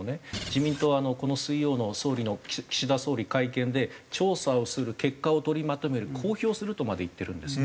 自民党はこの水曜の総理の岸田総理会見で「調査をする」「結果を取りまとめる」「公表する」とまで言ってるんですね。